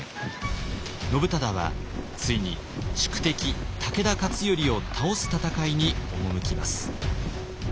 信忠はついに宿敵武田勝頼を倒す戦いに赴きます。